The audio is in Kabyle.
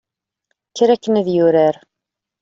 kker akken ad yurar